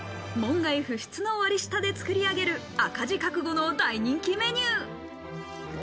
門外不出の割下で作り上げる、赤字覚悟の大人気メニュー。